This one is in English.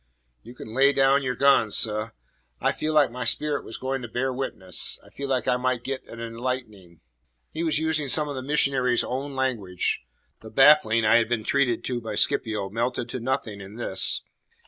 "You can lay down your gun, seh. I feel like my spirit was going to bear witness. I feel like I might get an enlightening." He was using some of the missionary's own language. The baffling I had been treated to by Scipio melted to nothing in this.